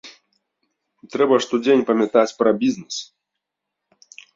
Трэба штодзень памятаць пра бізнэс.